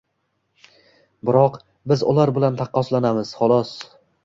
Biroq, biz ular bilan taqqoslanamiz, xolos